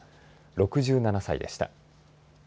６７歳でした。